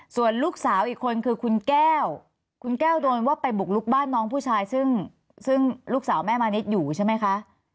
ส่วนลูกสาวอีกคนคือคุณแก้วคุณแก้วโดนว่าไปบุกลุกบ้านน้องผู้ชายซึ่งลูกสาวแม่มานิดอยู่ใช่ไหมคะ